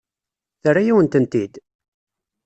Terra-yawen-tent-id?